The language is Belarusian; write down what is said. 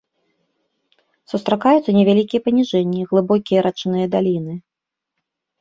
Сустракаюцца невялікія паніжэнні, глыбокія рачныя даліны.